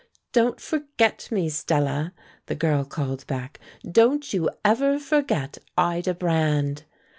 "Don't forget me, Stella," the girl called back. "Don't you ever forget Ida Brand!"